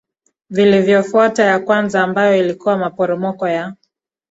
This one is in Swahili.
vilivyofuata ya kwanza ambayo ilikuwa maporomoko ya